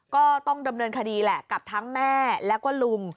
ก็ต้องดำเนินคดีแหละกับทั้งแม่แล้วก็ลุง